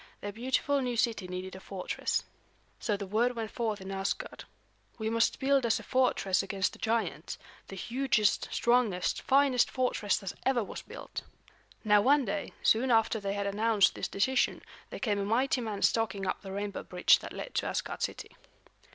Their beautiful new city needed a fortress. So the word went forth in Asgard, "We must build us a fortress against the giants; the hugest, strongest, finest fortress that ever was built." Now one day, soon after they had announced this decision, there came a mighty man stalking up the rainbow bridge that led to Asgard city.